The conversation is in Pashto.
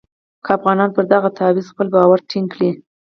که افغانان پر دغه تعویض خپل باور ټینګ کړي.